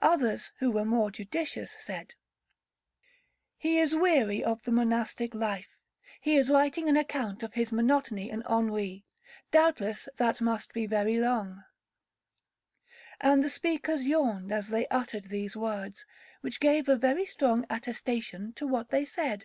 Others, who were more judicious, said, 'He is weary of the monastic life, he is writing an account of his monotony and ennui, doubtless that must be very long;' and the speakers yawned as they uttered these words, which gave a very strong attestation to what they said.